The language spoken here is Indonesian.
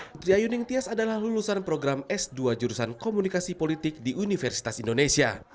putri ayuning tias adalah lulusan program s dua jurusan komunikasi politik di universitas indonesia